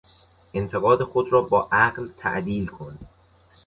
انتقاد خود را با عقل تعدیل کن.